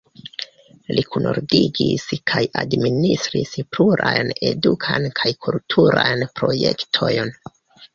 Li kunordigis kaj administris plurajn edukajn kaj kulturajn projektojn.